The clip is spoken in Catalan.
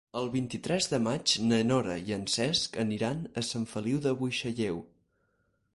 El vint-i-tres de maig na Nora i en Cesc aniran a Sant Feliu de Buixalleu.